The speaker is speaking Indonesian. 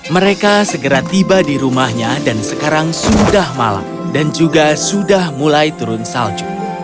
mereka segera tiba di rumahnya dan sekarang sudah malam dan juga sudah mulai turun salju